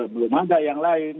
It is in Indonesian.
belum ada yang lain